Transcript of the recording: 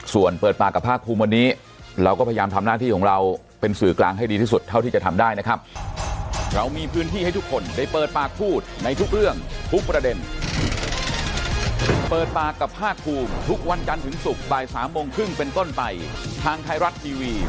ส่วนเปิดปากกับภาคภูมิวันนี้เราก็พยายามทำหน้าที่ของเราเป็นสื่อกลางให้ดีที่สุดเท่าที่จะทำได้นะครับ